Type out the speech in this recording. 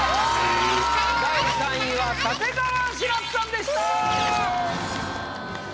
第３位は立川志らくさんでした！